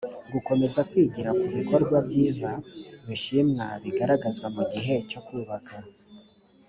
gukomeza kwigira ku bikorwa byiza bishimwa bigaragazwa mu gihe cyo kubaka